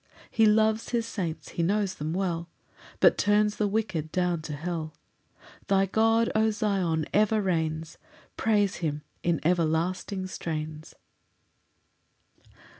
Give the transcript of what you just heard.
7 He loves his saints, he knows them well, But turns the wicked down to hell: Thy God, O Zion, ever reigns; Praise him in everlasting strains.